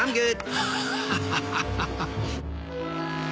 ハハハハハ。